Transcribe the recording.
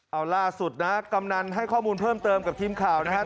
เอาล่าสุดนะกำนันให้ข้อมูลเพิ่มเติมกับทีมข่าวนะครับ